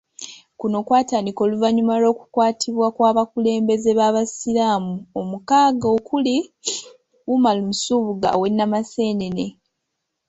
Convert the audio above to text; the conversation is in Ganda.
Kuno kwatandika oluvanyuma lw'okukwatibwa kw'abakulembeze b'abasiraamu omukaaga okuli, Umaru Nsubuga ow'e Namaseenene.